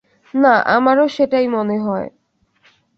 না, আমারো সেটাই মনে হয়।